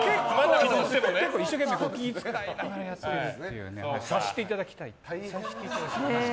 結構、一生懸命気を使いながらやってるので察していただきたい。